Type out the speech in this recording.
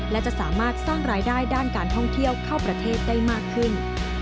และจะสามารถสร้างรายได้ด้านการท่องเที่ยวเข้าประเทศได้มากขึ้น